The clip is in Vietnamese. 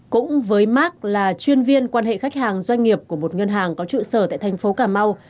cũng với mark là chuyên viên quan hệ khách hàng doanh nghiệp của một ngân hàng có trụ sở tại thành phố cà mau